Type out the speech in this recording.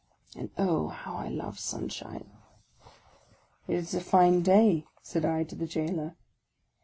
And oh, how I love sunshine !" It is a fine day! " said I to the jailor.